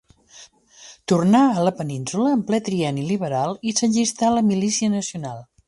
Tornà a la península en ple trienni liberal i s'allistà a la Milícia Nacional.